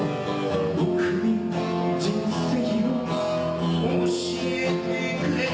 「僕に人生を教えてくれた」